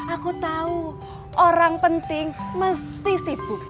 aku tahu orang penting mesti sibuk